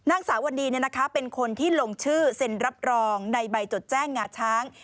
นางสาววันดีเป็นคนที่ลงชื่อเซ็นรับรองในใบจดแจ้งงาช้าง